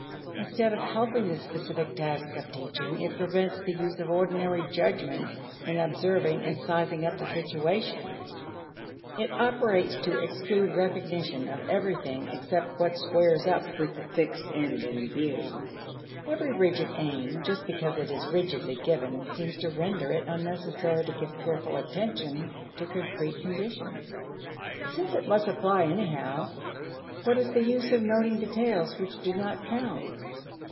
Instead of helping the specific task of teaching, it prevents the use of ordinary judgment in observing and sizing up the situation. It operates to exclude recognition of everything except what squares up with the fixed end in view. Every rigid aim just because it is rigidly given seems to render it unnecessary to give careful attention to concrete conditions. Since it must apply anyhow, what is the use of noting details which do not count?